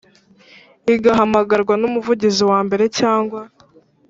Igahamagarwa n umuvugizi wa mbere cyangwa